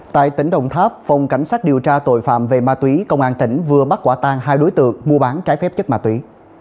tại tỉnh đồng tháp phòng cảnh sát điều tra tội phạm về ma túy công an tỉnh vừa bắt quả tang hai đối tượng mua bán trái phép chất ma túy